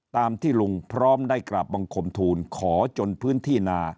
ตามที่ลุงพร้อมได้กราบบังคมทูลขอจนพื้นที่นา